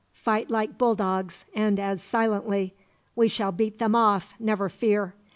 Fight like bulldogs, and as silently. We shall beat them off, never fear.